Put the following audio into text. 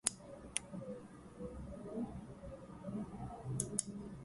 All that glitters - This is an example of an idiom transformation called "ellipsis".